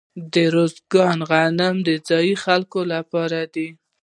د ارزګان غنم د ځايي خلکو لپاره دي.